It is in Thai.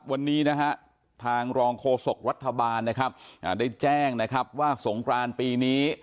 วันนี้นะฮะทางรองโฆษกรัฐบาลนะครับได้แจ้งนะครับว่าสงครานปีนี้